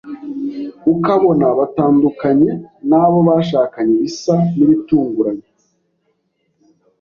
ukabona batandukanye n’abo bashakanye bisa n’ibitunguranye